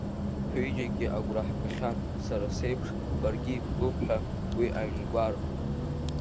Ҳҩыџьегьы агәра ҳгахьан, сара сеиԥш, баргьы ибтәуп ҳәа уи аҩны-агәара.